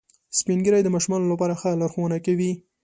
سپین ږیری د ماشومانو لپاره ښه لارښوونه کوي